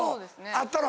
あったの？